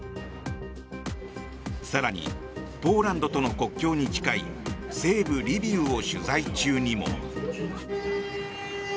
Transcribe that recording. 更に、ポーランドとの国境に近い西部リビウを取材中にも。